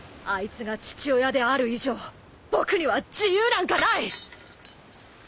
あいつが父親である以上僕には自由なんかない！